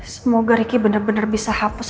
semoga ricky bener bener bisa hapus